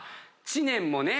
知念もね。